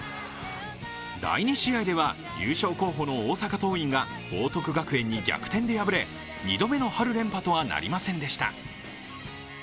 第２試合では優勝候補の大阪桐蔭が報徳学園に逆転で敗れ２度目の春連覇とはなりませんでした。